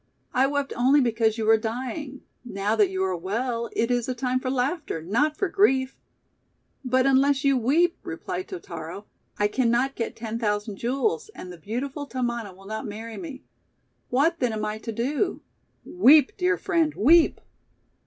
I wept only because you were dying. Now that you are well, it is a time for laughter, not for grief." "But unless you weep," replied Totaro, "I cannot get ten thousand jewels, and the beau tiful Tamana will not marry me. What, then, am I to do? Weep, dear friend, weep!